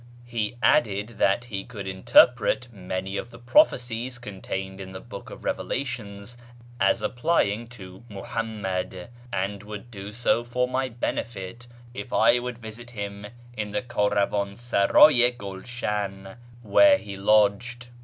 He added that he could interpret many of the prophecies contained in the Book of Eevelations as applying to Muhammad, and would do so for my benefit if I would visit him in the Kdravansardy i Gv2shan, where he lodged.